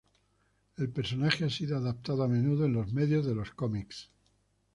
El personaje ha sido adaptado a menudo en los medios de los cómics.